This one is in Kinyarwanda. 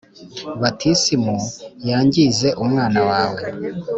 batisimu yangize umwana wawe